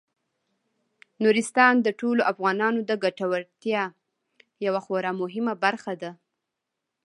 نورستان د ټولو افغانانو د ګټورتیا یوه خورا مهمه برخه ده.